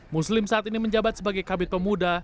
muslim saat ini menjabat sebagai kabit pemuda